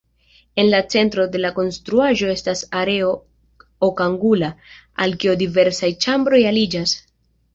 En la centro de la konstruaĵo estas areo okangula, al kio diversaj ĉambroj aliĝas.